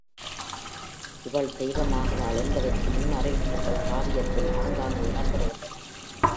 இவள் தெய்வம் ஆகிறாள் என்பதற்கு முன் அறிவிப்புகள் காவியத்தில் ஆங்காங்கு இடம் பெறுகின்றன.